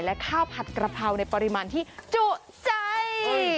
และข้าวผัดกระเพราในปริมาณที่จุใจ